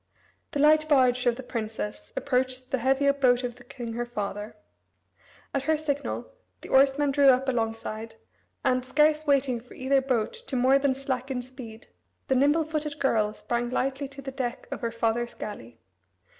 The light barge of the princess approached the heavier boat of the king, her father. At her signal the oarsmen drew up alongside, and, scarce waiting for either boat to more than slacken speed, the nimble footed girl sprang lightly to the deck of her father's galley.